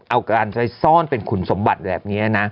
เอาการไปซ่อนเป็นคุณสมบัติแบบนี้นะ